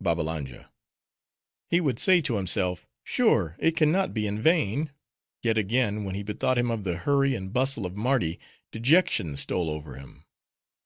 BABBALANJA—He would say to himself, "Sure, it can not be in vain!" Yet again, when he bethought him of the hurry and bustle of Mardi, dejection stole over him.